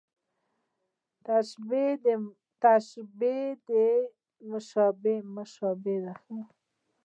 مشبه به، د تشبېه تر کلمې وروسته راځي.